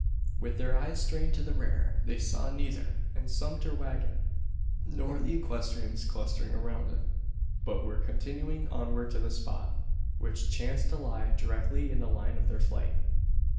With their eyes strained to the rear, they saw neither the sumpter waggon, nor the equestrians clustering around it, but were continuing onward to the spot; which chanced to lie directly in the line of their flight.